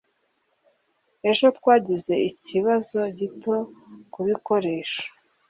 ejo twagize ikibazo gito kubikoresho